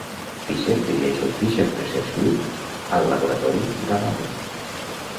Fisher dirigeix el Fisher Research Group al laboratori Gaballe.